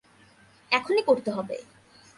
এখনই করতে হবে।